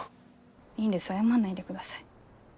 いいんです謝んないでください。